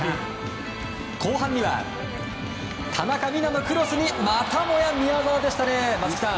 後半には田中美南のクロスにまたもや宮澤でしたね松木さん！